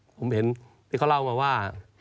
ผมเห็นที่เขาเล่ามาว่า